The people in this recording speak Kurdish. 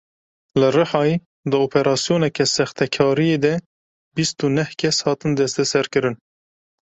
Li Rihayê di operasyoneke sextekariyê de bîst û neh kes hatin desteserkirin.